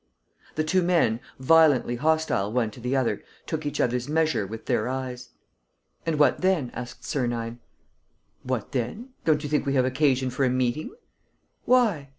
The two men, violently hostile one to the other, took each other's measure with their eyes. "And what then?" asked Sernine. "What then? Don't you think we have occasion for a meeting?" "Why?"